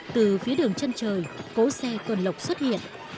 từ phía đường chân trời cố xe tuần lộc xuất hiện